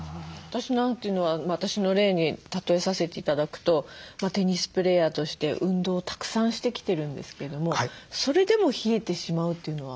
私なんていうのは私の例に例えさせて頂くとテニスプレーヤーとして運動をたくさんしてきてるんですけどもそれでも冷えてしまうというのは。